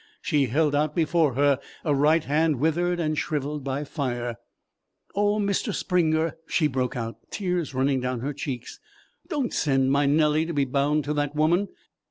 She held out before her a right hand withered and shriveled by fire. "Oh, Mr. Springer," she broke out, tears running down her cheeks, "don't send my Nellie to be bound to that woman!